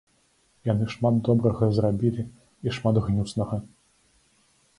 Яны шмат добрага зрабілі і шмат гнюснага.